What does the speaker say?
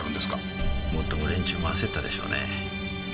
もっとも連中も焦ったでしょうね。